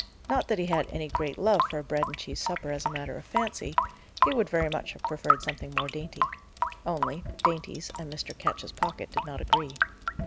Not that he had any great love for a bread and cheese supper as a matter of fancy: he would very much have preferred something more dainty; only, dainties and Mr. Ketch's pocket did not agree.